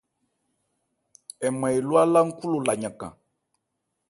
Hɛ nman eló álá-nkhú lo la yankan.